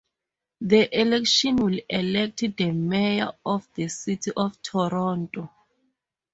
The election will elect the mayor of the City of Toronto.